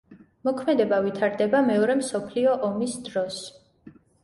მოქმედება ვითარდება მეორე მსოფლიო ომის დროს.